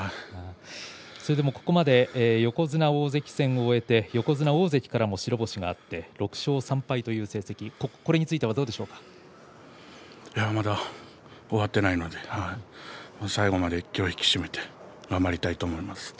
それでもここまで横綱、大関戦を終えて横綱、大関からも白星があって６勝３敗という成績まだ終わっていないので最後まで気を引き締めて頑張りたいと思います。